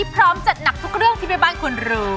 พร้อมจัดหนักทุกเรื่องที่แม่บ้านควรรู้